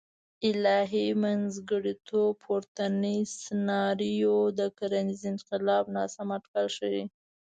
الهي منځګړیتوب پورتنۍ سناریو د کرنیز انقلاب ناسم اټکل ښیي.